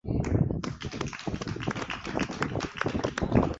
na sasa na ungana na mwezangu victor abuso kutufahamisha